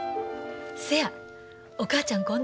せやお母ちゃん